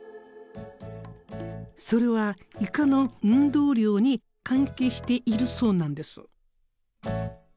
それはイカの運動量に関係しているそうなんです。